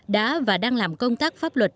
đã và đang làm công tác pháp luật